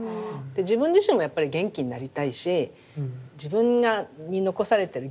自分自身もやっぱり元気になりたいし自分に残されてる